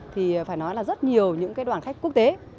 thì phải nói là rất nhiều những đoàn khách quốc tế